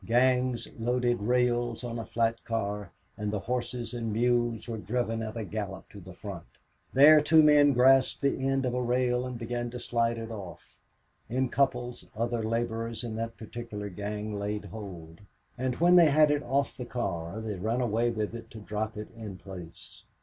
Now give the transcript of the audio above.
Gangs loaded rails on a flat car, and the horses or mules were driven at a gallop to the front. There two men grasped the end of a rail and began to slide it off. In couples, other laborers of that particular gang laid hold, and when they had it off the car they ran away with it to drop it in place.